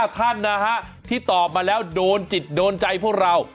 ท่านนะฮะที่ตอบมาแล้วโดนจิตโดนใจพวกเรา